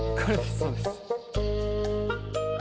そうです。